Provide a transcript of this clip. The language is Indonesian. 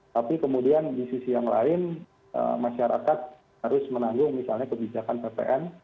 tapi kemudian di sisi yang lain masyarakat harus menanggung misalnya kebijakan ppn